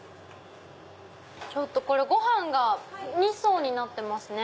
これご飯が二層になってますね。